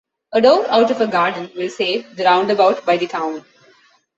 A door out of our garden will save the roundabout by the town.